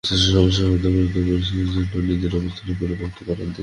অথচ সমস্যা সমাধানের পরিবর্তে মুরসির নজর ছিল নিজের অবস্থান পাকাপোক্ত করার দিকে।